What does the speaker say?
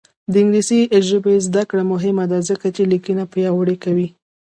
د انګلیسي ژبې زده کړه مهمه ده ځکه چې لیکنه پیاوړې کوي.